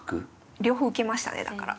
両方受けましたねだから。